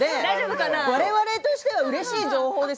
我々としてはうれしい情報です。